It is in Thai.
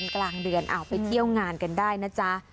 กลางเดือนไปเที่ยวงานกันได้นะจ๊ะ